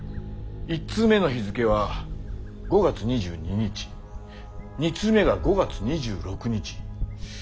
１通目の日付は５月２２日２通目が５月２６日。